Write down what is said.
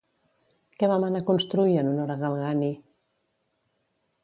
Què va manar construir en honor a Galgani?